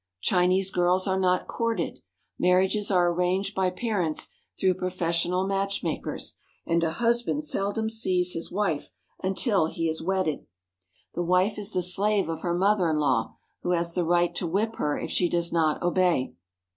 Chinese girls are not courted. Marriages are arranged by parents through professional matchmakers, and a hus band seldom sees his wife until he is wedded. The wife is the slave of her mother in law, who has the right to whip her if she does not obey.